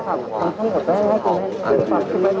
สวัสดีครับ